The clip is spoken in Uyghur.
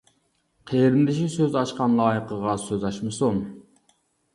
قېرىندىشى سۆز ئاچقان لايىقىغا سۆز ئاچمىسۇن.